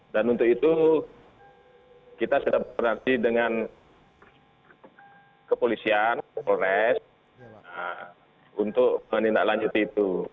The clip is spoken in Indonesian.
dan untuk itu kita sudah berhenti dengan kepolisian polres untuk menindaklanjuti itu